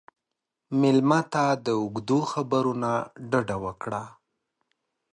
مېلمه ته د اوږدو خبرو نه ډډه وکړه.